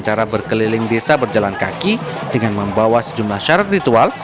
cara berkeliling desa berjalan kaki dengan membawa sejumlah syarat ritual